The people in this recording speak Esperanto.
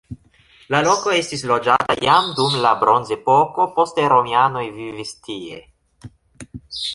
La loko estis loĝata jam dum la bronzepoko, poste romianoj vivis tie.